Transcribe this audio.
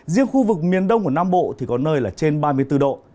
riêng khu vực miền đông của nam bộ thì có nơi là trên ba mươi bốn độ